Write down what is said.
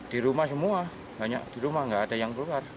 di rumah semua banyak di rumah nggak ada yang keluar